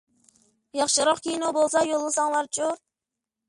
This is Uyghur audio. ياخشىراق كىنو بولسا يوللىساڭلارچۇ.